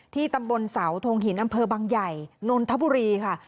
ตำบลเสาทงหินอำเภอบางใหญ่นนทบุรีค่ะ